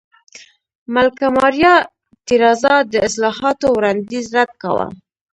ملکه ماریا تېرازا د اصلاحاتو وړاندیز رد کاوه.